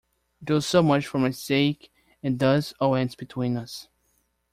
Do so much for my sake, and thus all ends between us!